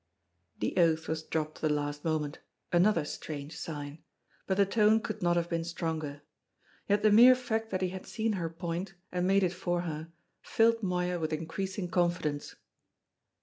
The oath was dropped at the last moment another strange sign but the tone could not have been stronger. Yet the mere fact that he had seen her point, and made it for her, filled Moya with increasing confidence.